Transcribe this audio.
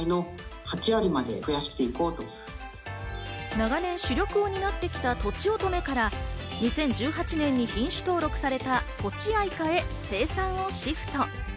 長年主力を担ってきた、とちおとめから、２０１８年に品種登録された、とちあいかへ生産をシフト。